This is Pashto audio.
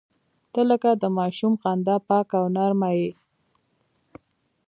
• ته لکه د ماشوم خندا پاکه او نرمه یې.